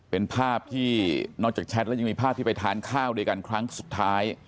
เป็นภาพที่นอกจากแชทแล้วยังมีภาพที่ไปทานข้าวด้วยกันครั้งสุดท้าย